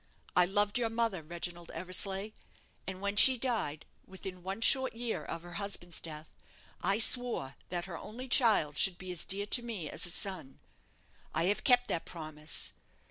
I loved your mother, Reginald Eversleigh, and when she died, within one short year of her husband's death, I swore that her only child should be as dear to me as a son. I have kept that promise.